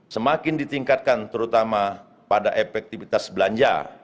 semakin ditingkatkan terutama pada efektivitas belanja